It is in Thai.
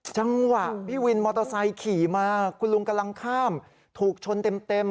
จังหวะพี่วินมอเตอร์ไซค์ขี่มาคุณลุงกำลังข้ามถูกชนเต็ม